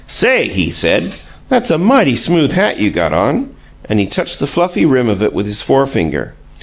"Say," he said, "that's a mighty smooth hat you got on." And he touched the fluffy rim of it with his forefinger.